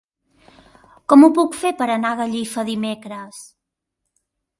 Com ho puc fer per anar a Gallifa dimecres?